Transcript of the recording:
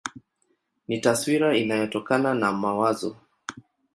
Ni taswira inayotokana na mawazo.